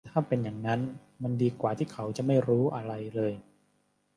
ถ้าเป็นอย่างนั้น มันดีกว่าที่เขาจะไม่รู้อะไรเลย